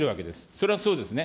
それはそうですね。